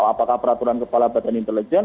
apakah peraturan kepala badan intelijen